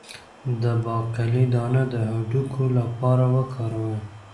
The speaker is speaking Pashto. د باقلي دانه د هډوکو لپاره وکاروئ